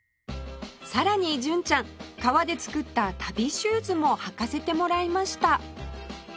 さらに純ちゃん革で作った足袋シューズも履かせてもらいました